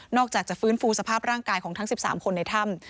อกจากจะฟื้นฟูสภาพร่างกายของทั้ง๑๓คนในถ้ำ